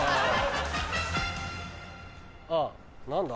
あぁ何だ？